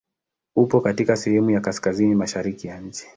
Upo katika sehemu ya kaskazini mashariki ya nchi.